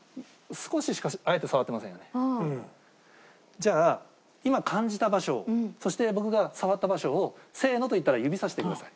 じゃあ今感じた場所そして僕が触った場所を「せーの」と言ったら指さしてください